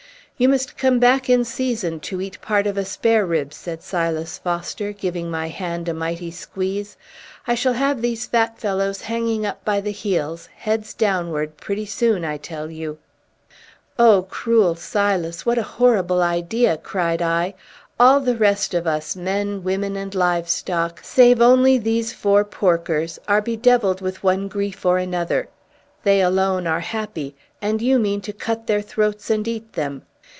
"You must come back in season to eat part of a spare rib," said Silas Foster, giving my hand a mighty squeeze. "I shall have these fat fellows hanging up by the heels, heads downward, pretty soon, I tell you!" "O cruel Silas, what a horrible idea!" cried I. "All the rest of us, men, women, and livestock, save only these four porkers, are bedevilled with one grief or another; they alone are happy, and you mean to cut their throats and eat them!